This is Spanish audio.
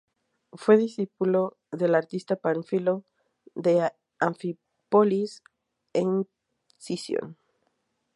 Fue discípulo del artista Pánfilo de Anfípolis en Sición.